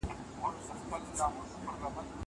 نه مي اشنا له زړه څه وزي نه مي خیال ووتی